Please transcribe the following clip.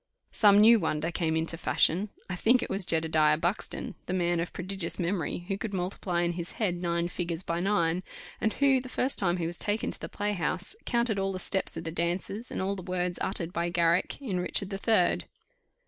Some new wonder came into fashion; I think it was Jedediah Buxton, the man of prodigious memory, who could multiply in his head nine figures by nine; and who, the first time he was taken to the playhouse, counted all the steps of the dancers, and all the words uttered by Garrick in Richard the Third.